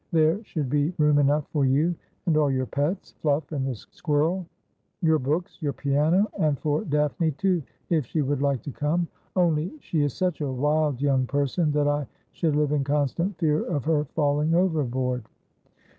There should be room enough for you and all your pets — Fluff and the squirrel, your books, your piano, and for Daphne, too, if she would like to come ; only she is such a wild young person that I should live in constant fear of her falling overboard.'